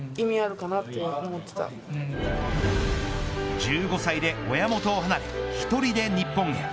１５歳で親元を離れ１人で日本へ。